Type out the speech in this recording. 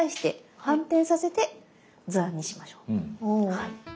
はい。